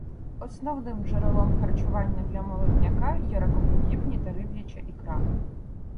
Основним джерелом харчування для молодняка є ракоподібні та риб'яча ікра.